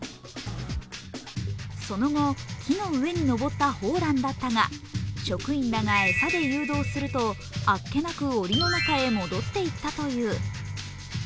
その後、木の上に登った萌蘭だったが職員らがえさで誘導すると、あっけなく檻の中へ戻っていったという。